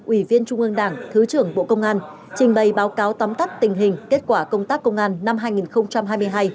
ủy viên trung ương đảng thứ trưởng bộ công an trình bày báo cáo tóm tắt tình hình kết quả công tác công an năm hai nghìn hai mươi hai